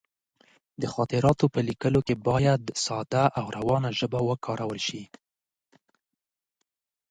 د خاطراتو په لیکلو کې باید ساده او روانه ژبه وکارول شي.